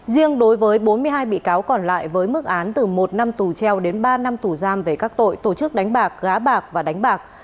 riêng đối với bốn mươi hai bị cáo còn lại với mức án từ một năm tù treo đến ba năm tù giam về các tội tổ chức đánh bạc gá bạc và đánh bạc